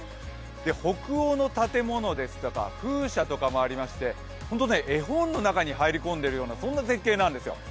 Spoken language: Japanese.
北欧の建物ですとか風車とかもありまして絵本の中に入り込んでいるような絶景なんですよ。